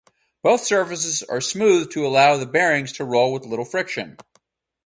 Both surfaces are smooth to allow the bearings to roll with little friction.